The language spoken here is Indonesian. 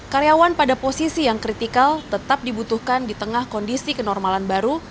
karyawan pada posisi yang kritikal tetap dibutuhkan di tengah kondisi kenormalan baru